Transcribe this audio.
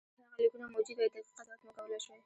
که هغه لیکونه موجود وای دقیق قضاوت مو کولای شوای.